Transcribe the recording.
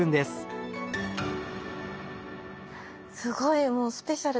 すごい。